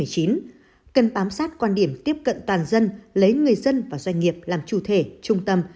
cần bám sát quan điểm tiếp cận toàn dân lấy người dân và doanh nghiệp làm chủ thể trung tâm